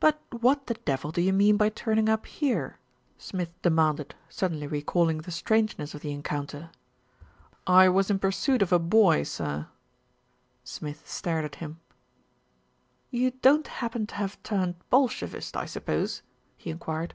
"But what the devil do you mean by turning up here?" Smith demanded, suddenly recalling the strange ness of the encounter. "I was in pursuit of a boy, sir." 256 THE RETURN OF ALFRED Smith stared at him. "You don't happen to have turned Bolshevist, I suppose?" he enquired.